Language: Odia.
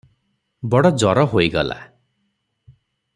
ବଡ଼ ଜର ହୋଇଗଲା ।"